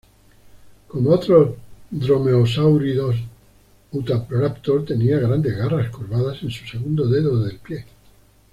Como otros dromeosáuridos, "Utahraptor" tenía grandes garras curvadas en su segundo dedo del pie.